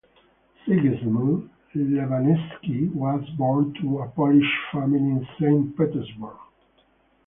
Sigizmund Levanevsky was born to a Polish family in Saint Petersburg.